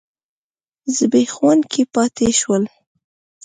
زبېښونکي پاتې شول.